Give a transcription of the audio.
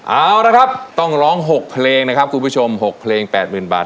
เอาละครับต้องร้อง๖เพลงนะครับคุณผู้ชม๖เพลง๘๐๐๐บาท